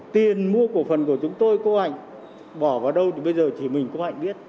tiền mua cổ phần của chúng tôi cô hạnh bỏ vào đâu thì bây giờ chỉ mình cô hạnh biết